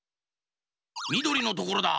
みどりのところだ。